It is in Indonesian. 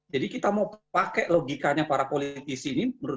jadi kita mau pakai logikanya para politik untuk mencari penundaan pemilu